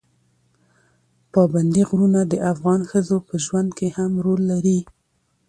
پابندي غرونه د افغان ښځو په ژوند کې هم رول لري.